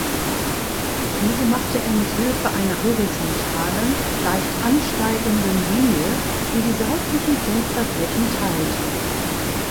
Diese machte er mithilfe einer horizontalen, leicht ansteigenden Linie, die die seitlichen Fensterflächen teilte.